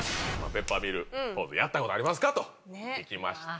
ペッパーミルポーズやったことありますか？と聞きました。